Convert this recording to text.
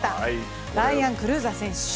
ライアン・クルーザー選手。